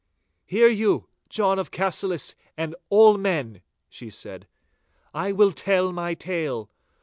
'Hear you, John of Cassillis, and all men,' she said. 'I will tell my tale.